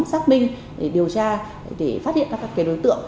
xác minh để điều tra để phát hiện các đối tượng